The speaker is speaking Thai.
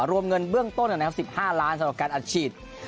รวมเงินเบื้องต้นกัน๑๕ล้านบาทสำหรับการอัจฉีด